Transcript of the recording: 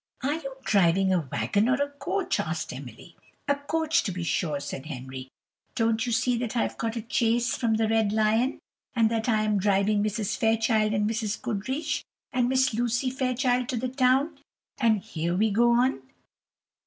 "Are you driving a waggon or a coach?" asked Emily. "A coach, to be sure," said Henry; "don't you see that I have got a chaise from the Red Lion, and that I am driving Mrs. Fairchild and Mrs. Goodriche and Miss Lucy Fairchild to the town, and here we go on?"